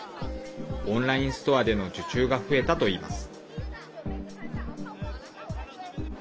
オンラインストアでの受注が増えたといいます。